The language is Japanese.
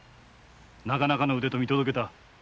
なかなかの腕と見届けた。